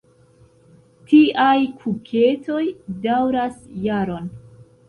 Tiaj kuketoj daŭras jaron.